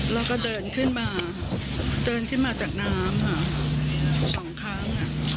แล้วก็เดินขึ้นมาจากน้ำ๒ครั้ง